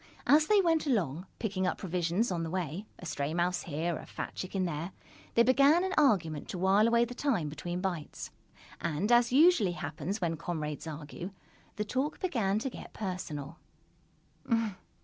As they went along, picking up provisions on the way a stray mouse here, a fat chicken there they began an argument to while away the time between bites. And, as usually happens when comrades argue, the talk began to get personal.